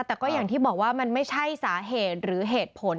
แต่ก็อย่างที่บอกว่ามันไม่ใช่สาเหตุหรือเหตุผล